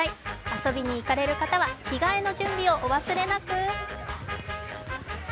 遊びに行かれる方は、着替えの準備をお忘れなく。